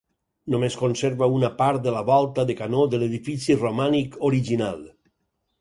Només conserva una part de la volta de canó de l'edifici romànic original.